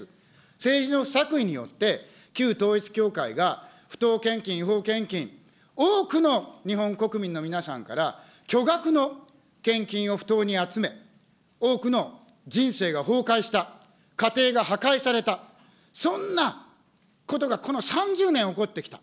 政治の不作為によって旧統一教会が不当献金、違法献金、多くの日本国民の皆さんから巨額の献金を不当に集め、多くの人生が崩壊した、家庭が破壊された、そんなことがこの３０年起こってきた。